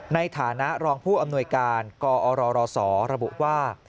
ในฐานะรองผู้อำนวยการกอรศระบุว่า